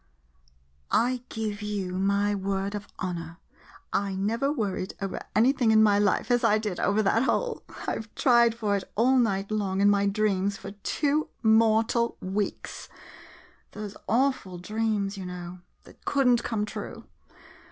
] I give you my word of honor, I never worried over anything in my life as I did over that hole! I 've tried for it all night long in my dreams for two mor . 5 MODERN MONOLOGUES tal weeks. Those awful dreams, you know — that could n't come true